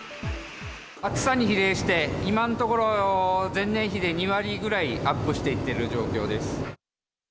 暑さに比例して、今のところ、前年比で２割ぐらいアップしていってる状況です。